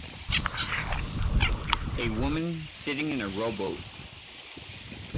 A woman sitting in a rowboat